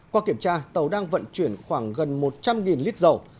qua kiểm tra tàu đang vận chuyển khoảng gần một trăm linh lít dầu